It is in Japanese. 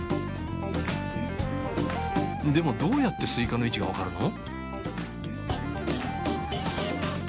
でもどうやってスイカの位置が分かるの？